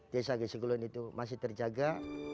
desa geseglun itu masih terjaga